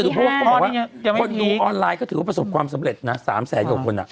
คนดูออนไลน์ก็ถือว่าประสบความสำเร็จนะ๓แสน๖คน